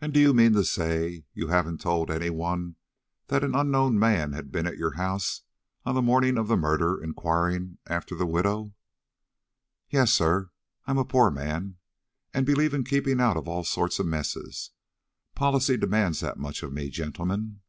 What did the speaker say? "And do you mean to say you haven't told any one that an unknown man had been at your house on the morning of the murder inquiring after the widow?" "Yes, sir. I am a poor man, and believe in keeping out of all sort of messes. Policy demands that much of me, gentlemen."